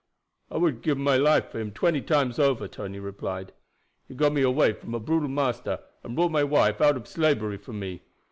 "I would gib my life for him twenty times over," Tony replied. "He got me away from a brutal master and bought my wife out ob slavery for me.